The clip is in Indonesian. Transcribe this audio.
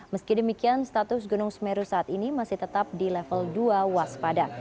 meski demikian status gunung semeru saat ini masih tetap di level dua waspada